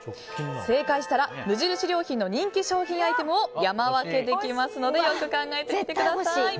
正解したら無印良品の人気商品アイテムを山分けできますのでよく考えてください。